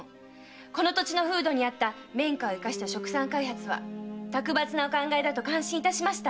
この土地の風土に合う綿花を生かした殖産開発は卓抜なお考えだと感心いたしました。